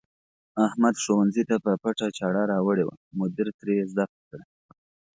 احمد ښوونځي ته په پټه چاړه راوړې وه، مدیر ترې ضبط کړه.